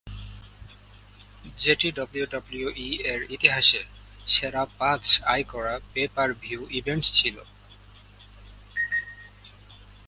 যেটি ডাব্লিউডাব্লিউই এর ইতিহাসে সেরা পাঁচ আয় করা পে-পার-ভিউ ইভেন্ট ছিল।